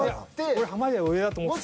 俺濱家は上だと思ってた。